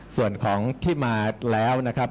ส่วนของที่มาแล้วนะครับ